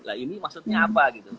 nah ini maksudnya apa